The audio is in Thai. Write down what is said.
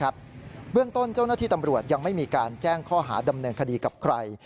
เบื้องต้นเจ้าหน้าที่ตำรวจยังไม่มีการแจ้งข้อหาดำเนินคดีกับใคร